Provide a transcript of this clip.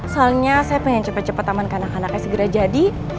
soalnya saya pengen cepet cepet aman ke anak anaknya segera jadi